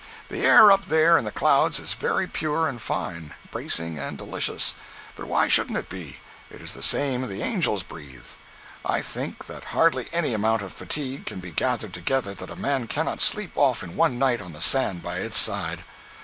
The air up there in the clouds is very pure and fine, bracing and delicious. And why shouldn't it be?—it is the same the angels breathe. I think that hardly any amount of fatigue can be gathered together that a man cannot sleep off in one night on the sand by its side.